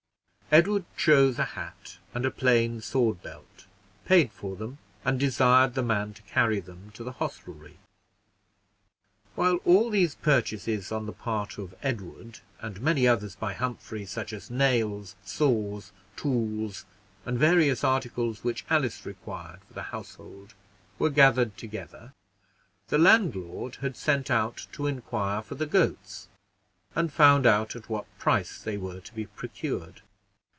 Edward chose a hat and a plain sword belt, paid for them, and desired the man to carry them to the hostelry. While all these purchases on the part of Edward, and many others by Humphrey, such as nails, saws, tools, and various articles which Alice required for the household, were gathered together, the landlord had sent out to inquire for the goats, and found out at what price they were to be procured.